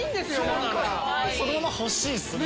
そのまま欲しいっすね